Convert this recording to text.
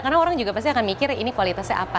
karena orang juga pasti akan mikir ini kualitasnya apa